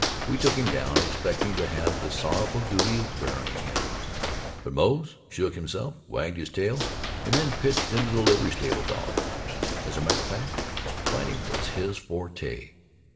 We took him down, expecting to have the sorrowful duty of burying him; but Moze shook himself, wagged his tail and then pitched into the livery stable dog. As a matter of fact, fighting was his forte.